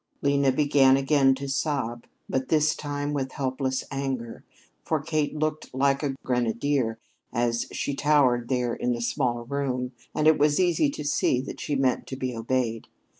Lena began again to sob, but this time with helpless anger, for Kate looked like a grenadier as she towered there in the small room and it was easy to see that she meant to be obeyed.